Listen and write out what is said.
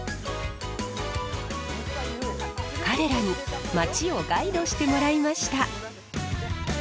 彼らに町をガイドしてもらいました。